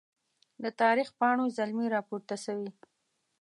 د تاریخ پاڼو زلمي راپورته سوي